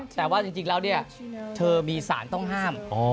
แต่ว่าจริงแล้วเนี่ยเธอมีสารต้องห้าม